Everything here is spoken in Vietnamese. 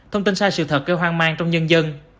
thông tin sai sự thật gây hoang mang trong nhân dân